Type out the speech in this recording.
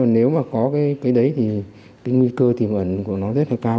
nếu mà có cái đấy thì cái nguy cơ tiềm ẩn của nó rất là cao